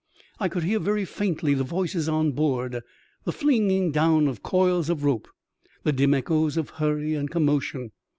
I could hear very faintly the voices on board, the flinging down of coils of rope, the dim echoes of hurry and commotion.